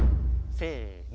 せの。